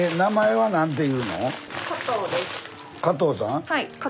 はい。